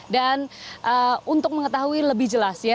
dan untuk mengetahui lebih jelas ya